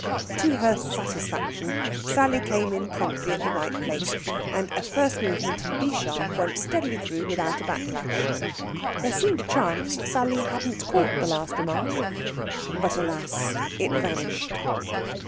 To her satisfaction, Sally came in promptly in the right place, and a first movement in B sharp went steadily through without a back lash. There seemed a chance that Sally hadn't caught the last remark, but, alas! it vanished.